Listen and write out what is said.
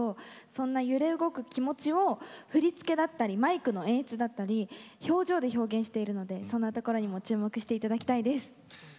揺れ動く気持ちを振り付けだったりマイクの演出だったり表情で演出しているのでそのところにも注目してもらいたいです。